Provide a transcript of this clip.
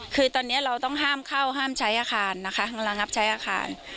คือตอนนี้เราต้องห้ามเข้าห้ามใช้อาคารนะคะระงับใช้อาคาร